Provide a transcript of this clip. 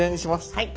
はい。